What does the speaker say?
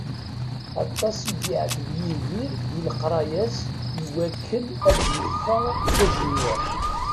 Aṭas i yeεteb Yidir di leqraya-s iwakken ad d-iffeɣ d ajenyur.